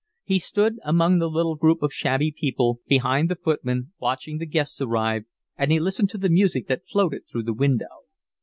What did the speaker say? He stood among the little group of shabby people, behind the footmen, watching the guests arrive, and he listened to the music that floated through the window.